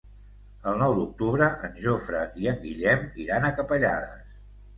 El nou d'octubre en Jofre i en Guillem iran a Capellades.